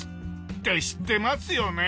って知ってますよね。